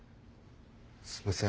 すみません。